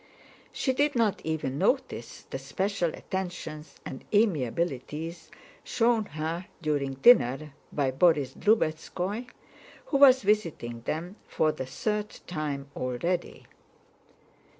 She did not even notice the special attentions and amiabilities shown her during dinner by Borís Drubetskóy, who was visiting them for the third time already.